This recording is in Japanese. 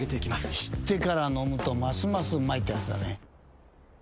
知ってから飲むとますますうまいってやつだね。